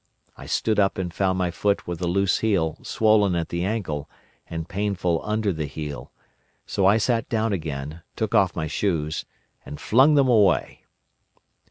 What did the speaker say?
I stood up and found my foot with the loose heel swollen at the ankle and painful under the heel; so I sat down again, took off my shoes, and flung them away.